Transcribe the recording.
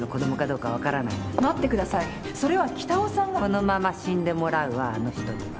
このまま死んでもらうわあの人には。